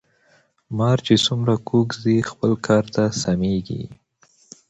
مار چی څومره کوږ ځي خپل کار ته سمیږي .